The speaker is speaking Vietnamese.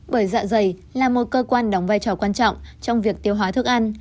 bởi dạ dày là một cơ quan đóng vai trò quan trọng trong việc tiêu hóa thức ăn